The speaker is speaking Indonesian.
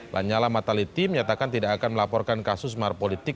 lanyala mataliti menyatakan tidak akan melaporkan kasus mahar politik